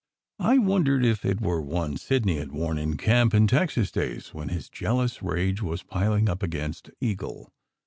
I wondered if it were one Sidney had worn in camp in Texas days when his jealous rage was piling up against Eagle.